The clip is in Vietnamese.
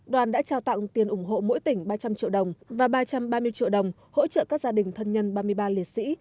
đoàn đã trao tặng tiền ủng hộ mỗi tỉnh ba trăm linh triệu đồng và ba trăm ba mươi triệu đồng hỗ trợ các gia đình thân nhân ba mươi ba liệt sĩ